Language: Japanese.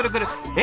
え？